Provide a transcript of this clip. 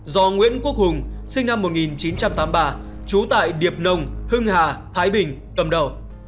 do nguyễn quốc hùng sinh năm một nghìn chín trăm tám mươi ba trú tại điệp nông hưng hà thái bình cầm đầu